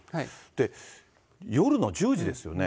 で、夜の１０時ですよね。